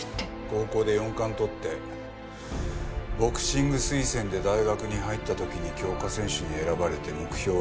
高校で４冠とってボクシング推薦で大学に入った時に強化選手に選ばれて目標は金メダル。